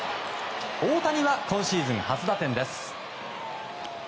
大谷は今シーズン初打点です。